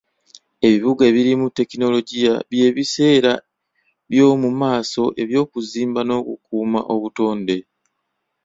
Ebibuga ebirimu tekinologiya by'ebiseera by'omu maaso eby'okuzimba n'okukuuma obutonde.